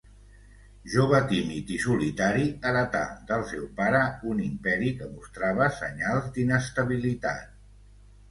Jove tímid i solitari, heretà del seu pare un imperi que mostrava senyals d'inestabilitat.